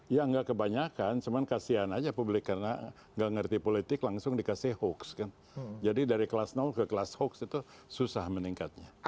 ya nggak kebanyakan cuman kasihan aja publik karena nggak ngerti politik langsung dikasih hoax kan jadi dari kelas ke kelas hoax itu susah meningkatnya